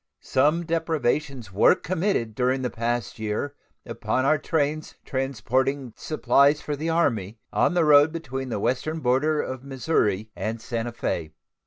Some depredations were committed during the past year upon our trains transporting supplies for the Army, on the road between the western border of Missouri and Santa Fe.